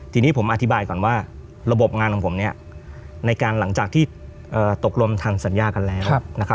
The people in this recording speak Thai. ทีนี้ผมอธิบายก่อนว่าระบบงานของผมในการหลังจากที่ตกลงทางสัญญากันแล้ว